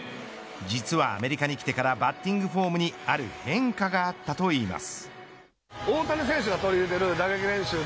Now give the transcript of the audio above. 実は、アメリカに来てからバッティングフォームにある変化があったといいます。